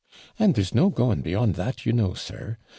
And there's no going beyond that, you know, sir.